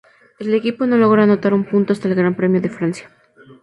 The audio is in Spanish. El equipo no logró anotar un punto hasta el Gran Premio de Francia.